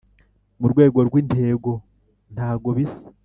mu rwego rw’intego ntago bisa